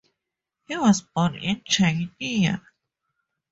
He was born in Chania.